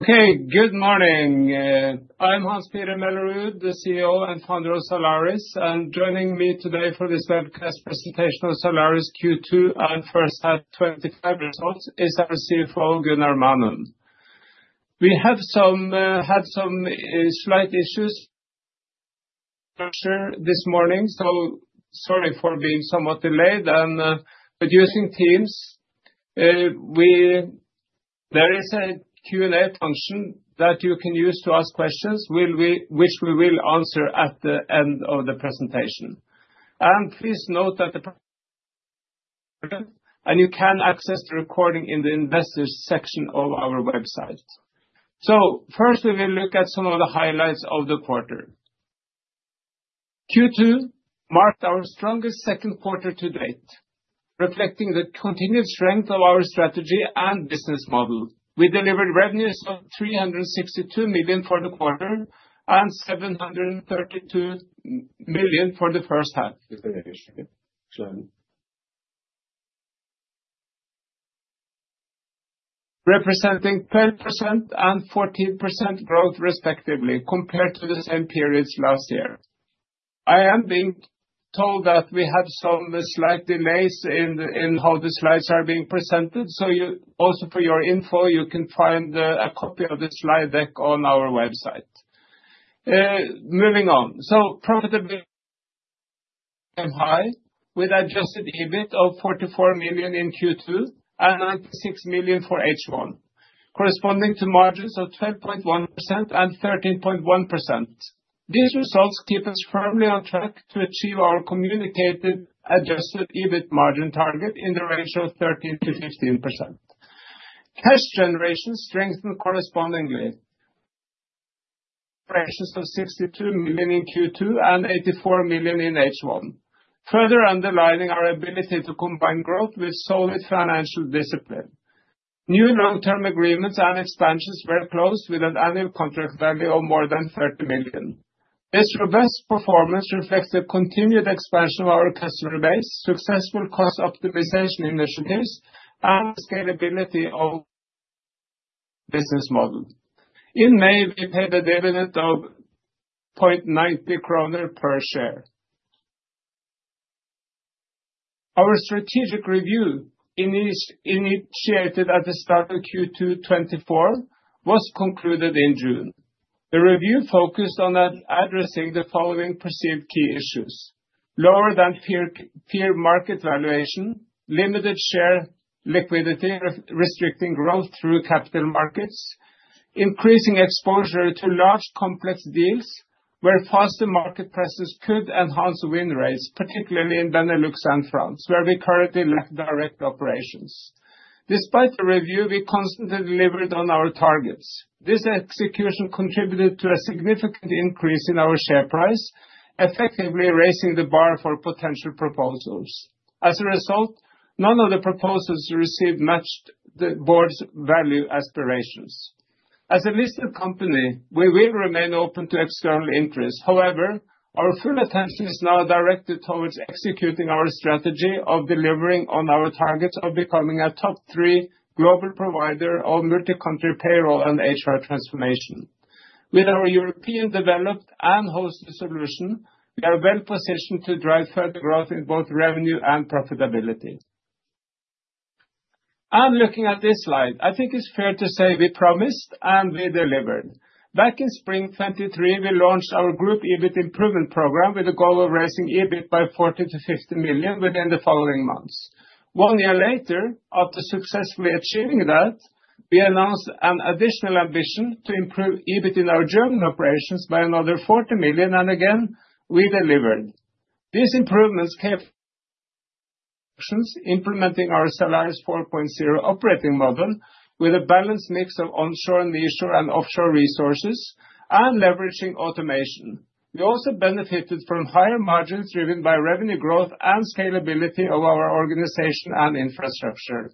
Okay, good morning. I'm Hans-Petter Mellerud, the CEO and Founder of Zalaris. Joining me today for this webcast presentation on Zalaris Q2 and first-half 2025 results is our CFO, Gunnar Manum. We have had some slight issues with the structure this morning, so sorry for being somewhat delayed. There is a Q&A function that you can use to ask questions, which we will answer at the end of the presentation. Please note that you can access the recording in the investors' section of our website. First, we will look at some of the highlights of the quarter. Q2 marked our strongest second quarter to date, reflecting the continued strength of our strategy and business model. We delivered revenues of 362 million for the quarter and 732 million for the first half of the year, representing 12% and 14% growth, respectively, compared to the same periods last year. I am being told that we had some slight delays in how the slides are being presented. For your info, you can find a copy of the slide deck on our website. Moving on. Profitability is high, with an adjusted EBIT of 44 million in Q2 and 6 million for H1, corresponding to margins of 12.1% and 13.1%. These results keep us firmly on track to achieve our communicated adjusted EBIT margin target in the range of 13% to 15%. Cash generation strengthened correspondingly, of 62 million in Q2 and 84 million in H1, further underlining our ability to combine growth with solid financial discipline. New long-term agreements and expansions were closed with an annual contract value of more than 30 million. This robust performance reflects the continued expansion of our customer base, successful cost optimization initiatives, and scalability of our business model. In May, we paid a dividend of 0.90 kroner per share. Our strategic review initiated at the start of Q2 2024 was concluded in June. The review focused on addressing the following perceived key issues: lower than peer market valuation, limited share liquidity restricting growth through capital markets, increasing exposure to large complex deals where faster market prices could enhance win rates, particularly in Benelux and France, where we currently run direct operations. Despite the review, we constantly delivered on our targets. This execution contributed to a significant increase in our share price, effectively raising the bar for potential proposals. As a result, none of the proposals we received matched the board's value aspirations. As a listed company, we will remain open to external interests. However, our full attention is now directed towards executing our strategy of delivering on our targets of becoming a top three global provider of multi-country payroll and HR transformation. With our European-developed and hosted solution, we are well positioned to drive further growth in both revenue and profitability. Looking at this slide, I think it's fair to say we promised and we delivered. Back in spring 2023, we launched our group EBIT improvement program with a goal of raising EBIT by 40 million to 50 million within the following months. One year later, after successfully achieving that, we announced an additional ambition to improve EBIT in our German operations by another 40 million, and again, we delivered. These improvements came from implementing our Zalaris 4.0 operating model with a balanced mix of onshore, nearshore, and offshore resources and leveraging automation. We also benefited from higher margins driven by revenue growth and scalability of our organization and infrastructure.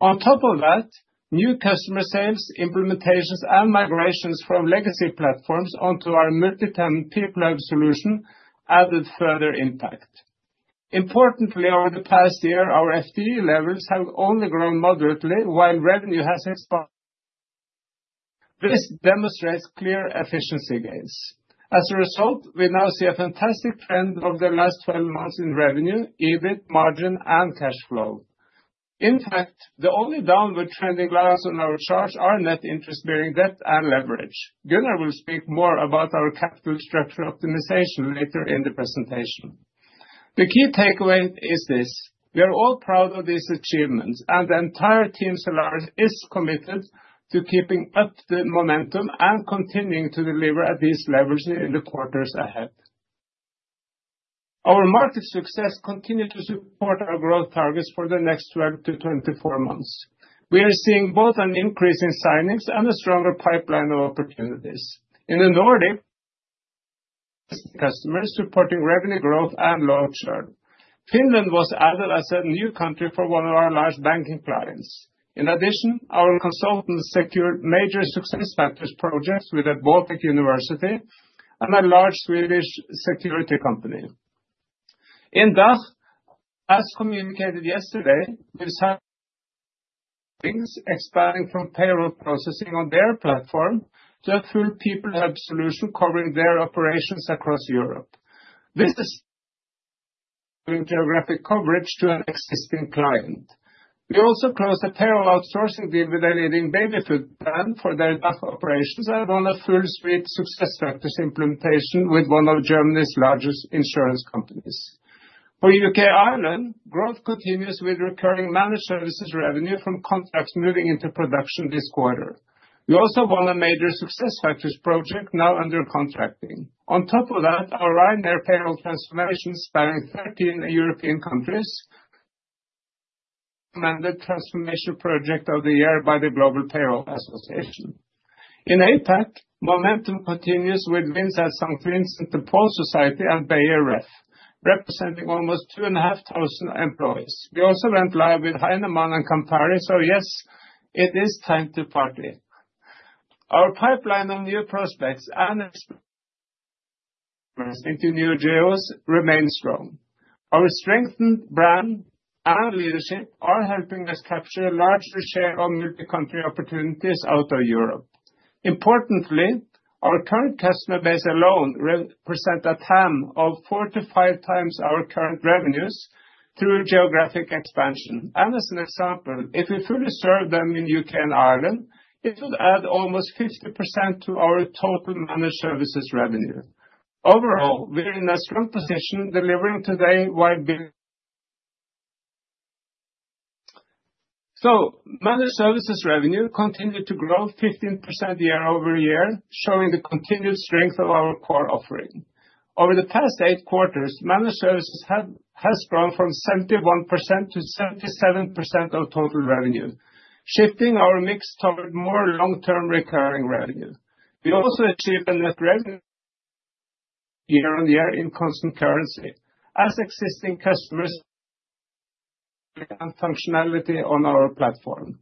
On top of that, new customer sales, implementations, and migrations from legacy platforms onto our multi-tenant peer-to-peer solution added further impact. Importantly, over the past year, our FTE levels have only grown moderately while revenue has exponentially increased. This demonstrates clear efficiency gains. As a result, we now see a fantastic trend over the last 12 months in revenue, EBIT, margin, and cash flow. In fact, the only downward trending lines on our chart are net interest-bearing debt and leverage. Gunnar will speak more about our capital structure optimization later in the presentation. The key takeaway is this: we are all proud of these achievements, and the entire team at Zalaris is committed to keeping up the momentum and continuing to deliver at these levels in the quarters ahead. Our market success continues to support our growth targets for the next 12 to 24 months. We are seeing both an increase in signings and a stronger pipeline of opportunities. In the Nordic, customers supporting revenue growth and long-term. Finland was added as a new country for one of our large banking clients. In addition, our consultants secured major SuccessFactors projects with a Baltic University and a large Swedish security company. In DACH, as communicated yesterday, we saw companies expanding from payroll processing on their platform to a full people-hub solution covering their operations across Europe. This is giving geographic coverage to an existing client. We also closed a payroll outsourcing deal with a leading baby food brand for their DACH operations and run a full-suite SuccessFactors implementation with one of Germany's largest insurance companies. For U.K. Ireland, growth continues with recurring managed services revenue from contracts moving into production this quarter. We also won a major SuccessFactors project now under contracting. On top of that, our Ryanair payroll transformation is spanning 13 European countries, and the transformation project of the year by the Global Payroll Association. In APAC, momentum continues with wins at St. Vincent de Paul Society and Beijer Ref, representing almost 2,500 employees. We also went live with Heinemann and Campari, so yes, it is time to party. Our pipeline of new prospects and experienced customers into new JOs remains strong. Our strengthened brand and leadership are helping us capture a larger share of multi-country opportunities out of Europe. Importantly, our current customer base alone represents a TAM of 4X-5X our current revenues through geographic expansion. As an example, if we fully serve them in U.K. and Ireland, it would add almost 50% to our total managed services revenue. Overall, we're in a strong position delivering today while building. Managed services revenue continued to grow 15% year-over-year, showing the continued strength of our core offering. Over the past eight quarters, managed services has grown from 71% to 77% of total revenue, shifting our mix toward more long-term recurring revenue. We also achieved a net revenue year-on-year in constant currency, as existing customers and functionality on our platform.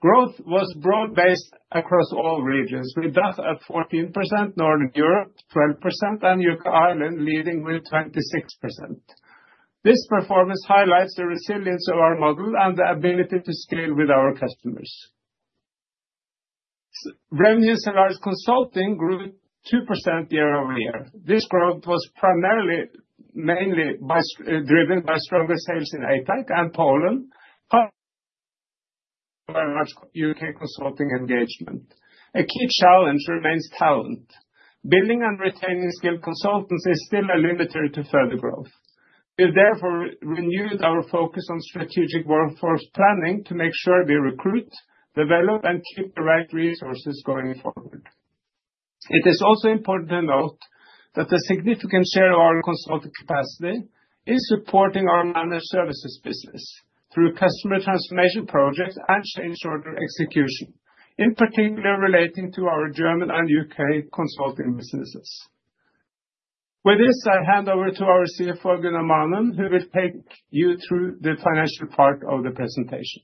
Growth was broad-based across all regions, with DACH at 14%, Northern Europe 12%, and U.K. Ireland leading with 26%. This performance highlights the resilience of our model and the ability to scale with our customers. Revenue in Zalaris Consulting grew 2% year over year. This growth was primarily mainly driven by stronger sales in APAC and Poland, but by much U.K. consulting engagement. A key challenge remains talent. Billing and retaining skilled consultants is still a limit to further growth. We've therefore renewed our focus on strategic workforce planning to make sure we recruit, develop, and keep the right resources going forward. It is also important to note that a significant share of our consulting capacity is supporting our managed services business through customer transformation projects and change order execution, in particular relating to our German and U.K. consulting businesses. With this, I hand over to our CFO, Gunnar Manum, who will take you through the financial part of the presentation.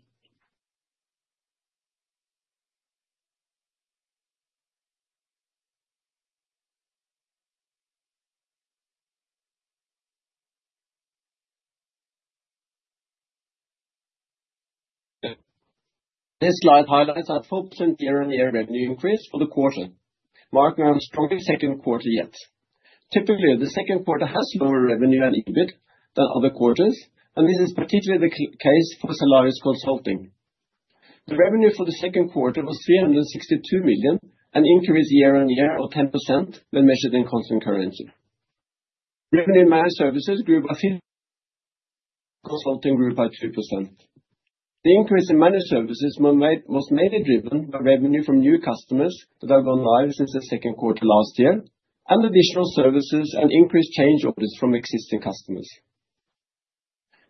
This slide highlights our 4% year-on-year revenue increase for the quarter, marking our strongest second quarter yet. Typically, the second quarter has lower revenue and EBIT than other quarters, and this is particularly the case for Zalaris Consulting. The revenue for the second quarter was 362 million, an increase year on year of 10% when measured in constant currency. Revenue in managed services grew by 5%, consulting grew by 2%. The increase in managed services was mainly driven by revenue from new customers that have gone live since the second quarter last year, and additional services and increased change orders from existing customers.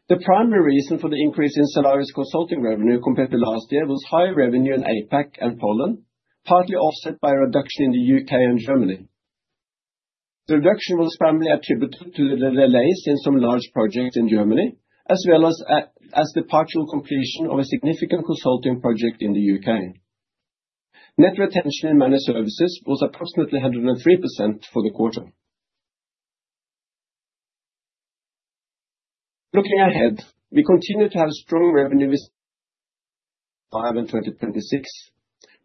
The primary reason for the increase in Zalaris Consulting revenue compared to last year was higher revenue in APAC and Poland, partly offset by a reduction in the U.K. and Germany. The reduction was primarily attributed to the delays in some large projects in Germany, as well as the partial completion of a significant consulting project in the U.K. Net retention in managed services was approximately 103% for the quarter. Looking ahead, we continue to have strong revenue with 2026,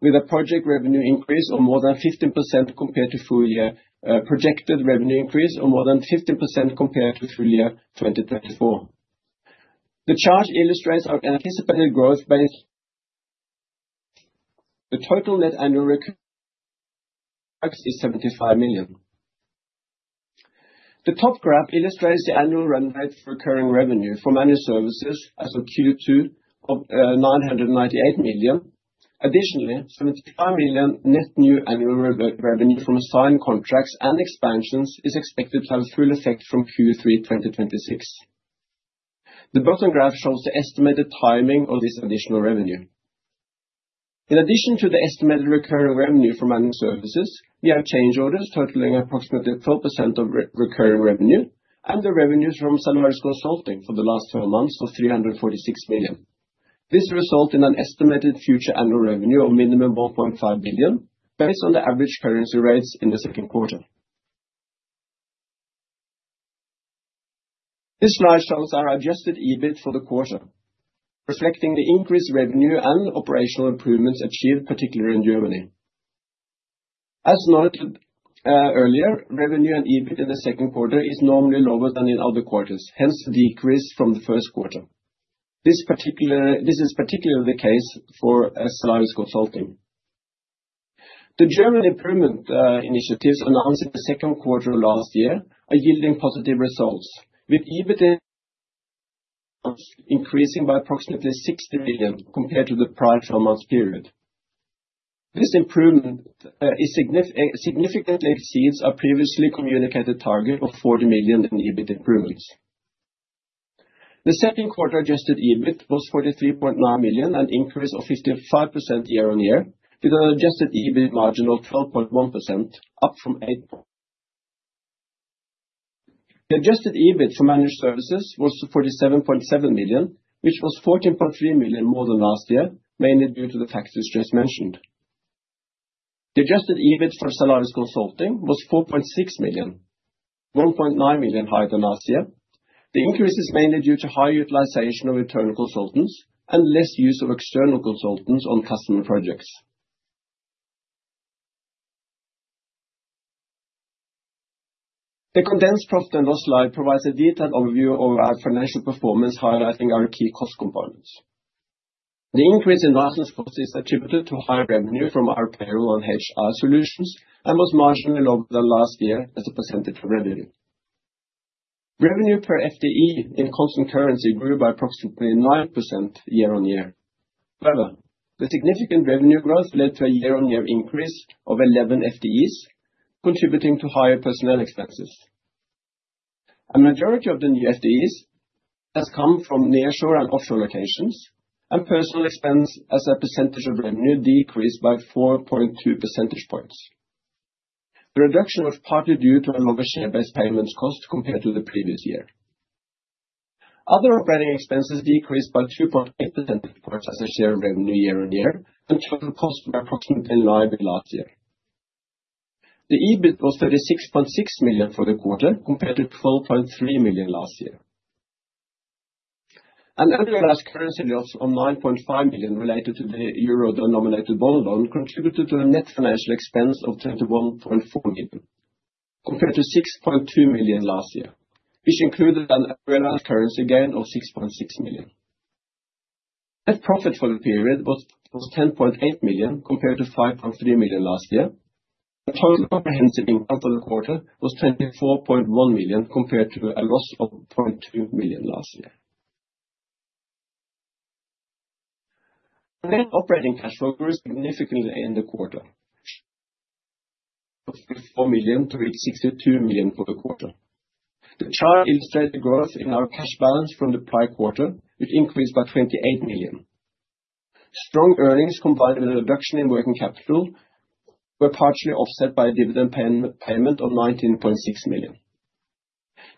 with a project revenue increase of more than 15% compared to full-year 2024. The chart illustrates our anticipated growth by the total net annual revenue is 75 million. The top graph illustrates the annual run rate for recurring revenue for managed services as of Q2 of 998 million. Additionally, 75 million net new annual revenue from assigned contracts and expansions is expected to have full effect from Q3 2026. The bottom graph shows the estimated timing of this additional revenue. In addition to the estimated recurring revenue from managed services, we have change orders totaling approximately 12% of recurring revenue, and the revenues from Zalaris Consulting for the last 12 months were 346 million. This resulted in an estimated future annual revenue of minimum 1.5 billion based on the average currency rates in the second quarter. This slide shows our adjusted EBIT for the quarter, reflecting the increased revenue and operational improvements achieved, particularly in Germany. As noted earlier, revenue and EBIT in the second quarter are normally lower than in other quarters, hence the decrease from the first quarter. This is particularly the case for Zalaris Consulting. The German improvement initiatives announced in the second quarter of last year are yielding positive results, with EBIT increasing by approximately 60 million compared to the prior 12-month period. This improvement significantly exceeds our previously communicated target of 40 million in EBIT improvements. The second quarter adjusted EBIT was 43.9 million, an increase of 55% year-on-year, with an adjusted EBIT margin of 12.1%, up from 8%. The adjusted EBIT for Managed Services was 47.7 million, which was 14.3 million more than last year, mainly due to the factors just mentioned. The adjusted EBIT for Zalaris Consulting was 4.6 million, 1.9 million higher than last year. The increase is mainly due to higher utilization of internal consultants and less use of external consultants on customer projects. The condensed cost and loss slide provides a detailed overview of our financial performance, highlighting our key cost components. The increase in license costs is attributed to higher revenue from our payroll and HR solutions and was marginally lower than last year as a percentage of revenue. Revenue per FTE in constant currency grew by approximately 9% year-on-year. However, the significant revenue growth led to a year-on-year increase of 11 FTEs, contributing to higher personnel expenses. A majority of the new FTEs has come from nearshore and offshore locations, and personnel expense as a percentage of revenue decreased by 4.2 percentage points. The reduction was partly due to a lower share-based payments cost compared to the previous year. Other operating expenses decreased by 2.8 percentage points as a share in revenue year-on-year, which was enforced by NOK 14 million in last year. The EBIT was 36.6 million for the quarter compared to 12.3 million last year. An underlying currency loss of 9.5 million related to the Euro denominated bond loan contributed to a net financial expense of 21.4 million compared to 6.2 million last year, which included an underlying currency gain of 6.6 million. Net profit for the period was 10.8 million compared to 5.3 million last year. The total comprehensive income for the quarter was 24.1 million compared to a loss of 0.2 million last year. The net operating cash flow grew significantly in the quarter, from 44 million to 862 million for the quarter. The chart illustrates the growth in our cash balance from the prior quarter, which increased by 28 million. Strong earnings combined with a reduction in working capital were partially offset by a dividend payment of 19.6 million.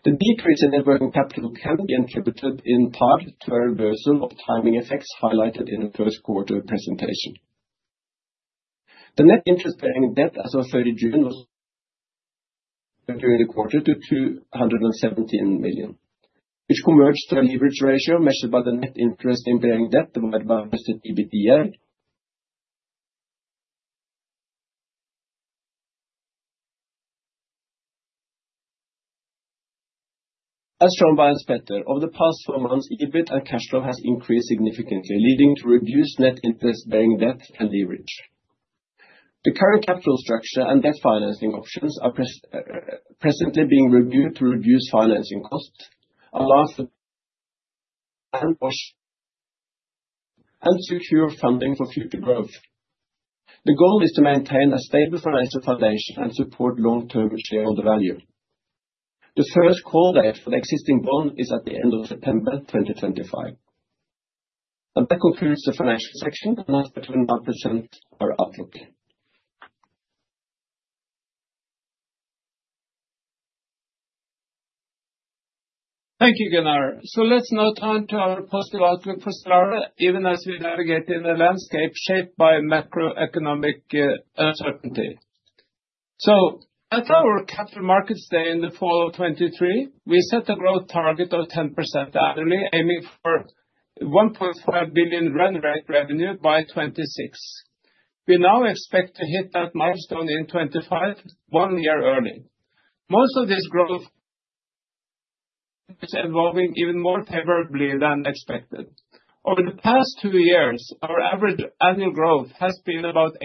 The decrease in net working capital can be attributed in part to a reversal of timing effects highlighted in the first quarter presentation. The net interest-bearing debt, as I said in June, was greater in the quarter to 217 million, which converts to a leverage ratio measured by the net interest-bearing debt divided by the EBITDA. As shown by Hans-Petter, over the past 12 months, EBIT and cash flow have increased significantly, leading to reduced net interest-bearing debts and leverage. The current capital structure and debt financing options are presently being reviewed to reduce financing costs and secure funding for future growth. The goal is to maintain a stable financial foundation and support long-term shareholder value. The first call date for the existing bond is at the end of September 2025. That concludes the financial section. I'd like to turn my presenter out. Thank you, Gunnar. Let's now turn to our positive outlook for Zalaris, even as we navigate in a landscape shaped by macroeconomic uncertainty. As at our capital markets day in the fall of 2023, we set a growth target of 10% annually, aiming for NOK 1.5 billion run-rate revenue by 2026. We now expect to hit that milestone in 2025, one year early. Most of this growth is evolving even more favorably than expected. Over the past two years, our average annual growth has been about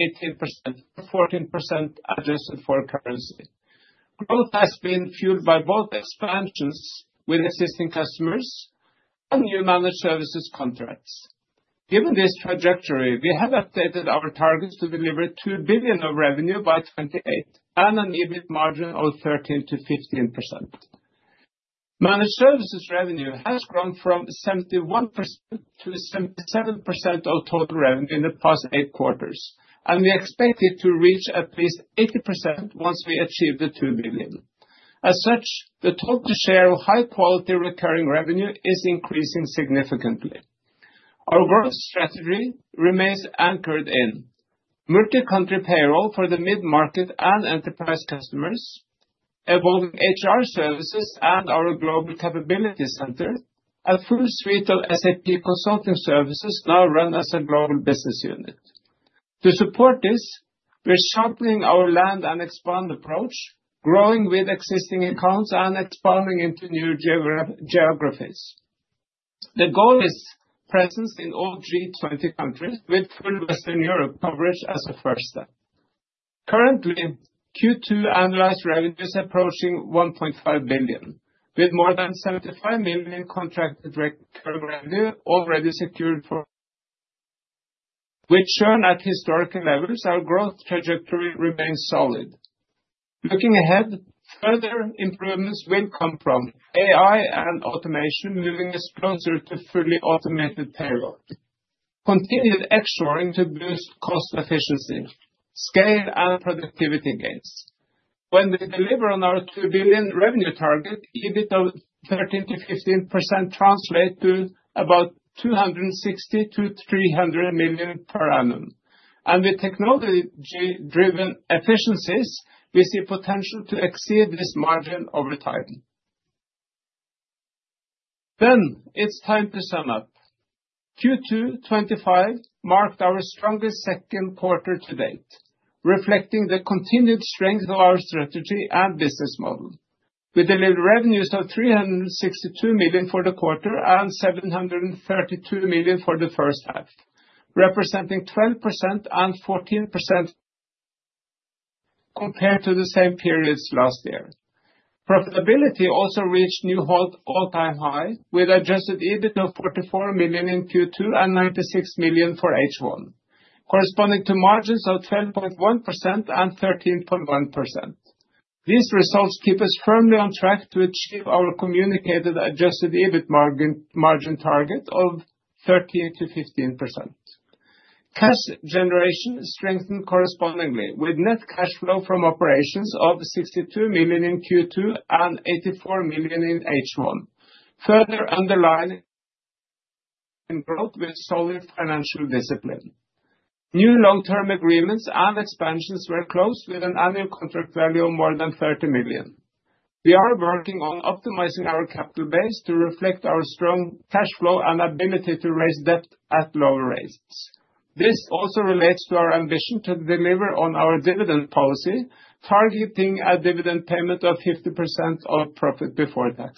18%, 14% adjusted for currency. Growth has been fueled by both expansions with existing customers and new managed services contracts. Given this trajectory, we have updated our targets to deliver 2 billion of revenue by 2028 and an EBIT margin of 13% to 15%. Managed services revenue has grown from 71% to 77% of total revenue in the past eight quarters, and we expect it to reach at least 80% once we achieve the 2 billion. As such, the total share of high-quality recurring revenue is increasing significantly. Our growth strategy remains anchored in multi-country payroll for the mid-market and enterprise customers, evolving HR services and our global capability center, and full suite of SAP consulting services now run as a global business unit. To support this, we're sharpening our land and expand approach, growing with existing accounts and expanding into new geographies. The goal is presence in all G20 countries with full Western Europe coverage as a first step. Currently, Q2 annualized revenue is approaching 1.5 billion, with more than 75 million contracted recurring revenue already secured. With churn at historical levels, our growth trajectory remains solid. Looking ahead, further improvements will come from AI and automation, moving us closer to fully automated payroll. Continued extraordinary boosts cost efficiency, scale and productivity gains. When we deliver on our 2 billion revenue target, EBIT of 13% to 15% translates to about 260 million-300 million per annum. With technology-driven efficiencies, we see potential to exceed this margin over time. It is time to sum up. Q2 2025 marked our strongest second quarter to date, reflecting the continued strength of our strategy and business model. We delivered revenues of 362 million for the quarter and 732 million for the first half, representing 12% and 14% growth compared to the same periods last year. Profitability also reached new all-time highs, with adjusted EBIT of 44 million in Q2 and 96 million for H1, corresponding to margins of 12.1% and 13.1%. These results keep us firmly on track to achieve our communicated adjusted EBIT margin target of 13%-15%. Cash generation strengthened correspondingly, with net cash flow from operations of 62 million in Q2 and 84 million in H1, further underlining growth with solid financial discipline. New long-term agreements and expansions were closed with an annual contract value of more than 30 million. We are working on optimizing our capital base to reflect our strong cash flow and ability to raise debt at lower rates. This also relates to our ambition to deliver on our dividend policy, targeting a dividend payment of 50% of profit before tax.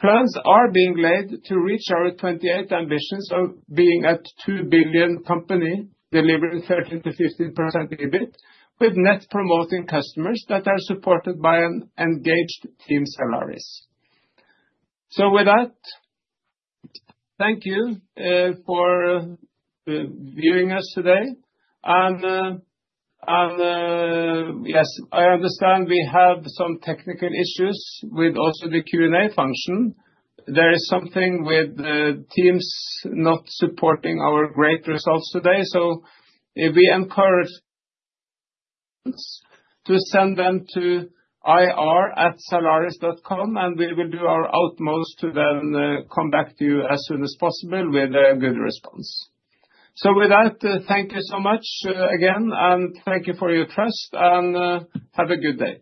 Plans are being laid to reach our 2028 ambition of being a 2 billion company delivering 13%-15% EBIT, with net promoting customers that are supported by an engaged team at Zalaris. Thank you for viewing us today. Yes, I understand we have some technical issues with also the Q&A function. There is something with the Teams not supporting our great results today. We encourage you to send them to ir@zalaris.com, and we will do our utmost to then come back to you as soon as possible with a good response. Thank you so much again, and thank you for your trust, and have a good day.